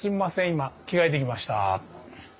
今着替えてきました。